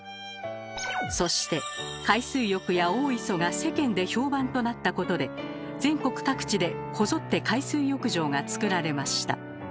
そして海水浴や大磯が世間で評判となったことで全国各地でこぞって海水浴場がつくられました。